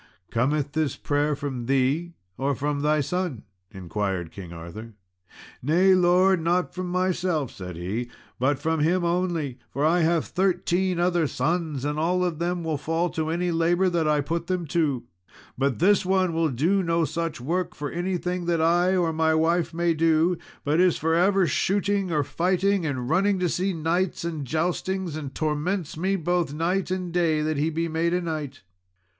"Cometh this prayer from thee or from thy son?" inquired King Arthur. "Nay, lord, not from myself," said he, "but from him only, for I have thirteen other sons, and all of them will fall to any labour that I put them to. But this one will do no such work for anything that I or my wife may do, but is for ever shooting or fighting, and running to see knights and joustings, and torments me both night and day that he be made a knight."